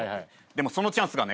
でもそのチャンスがね